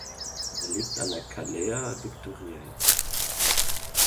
Er liegt an der Calea Victoriei.